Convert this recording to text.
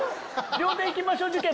料亭行きましょう事件